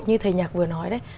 như thầy nhạc vừa nói đấy